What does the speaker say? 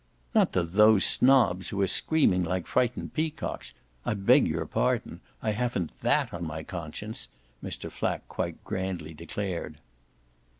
"Not to those snobs who are screaming like frightened peacocks. I beg your pardon I haven't THAT on my conscience!" Mr. Flack quite grandly declared.